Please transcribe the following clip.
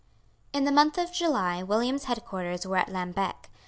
In the month of July William's headquarters were at Lambeque.